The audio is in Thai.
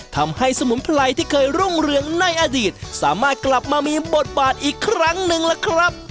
ทำให้สมุนไพรที่เคยรุ่งเรืองในอดีตสามารถกลับมามีบทบาทอีกครั้งหนึ่งล่ะครับ